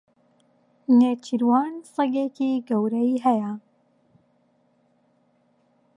نێچیروان سەگێکی گەورەی هەیە.